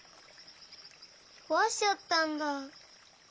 こわしちゃったんだ。